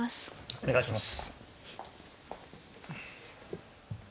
お願いします。